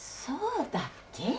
そうだっけ？